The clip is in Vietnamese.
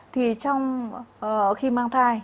thì trong khi mang thai